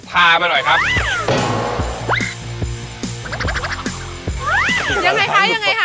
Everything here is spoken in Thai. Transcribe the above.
ยังไงคะยังไงคะ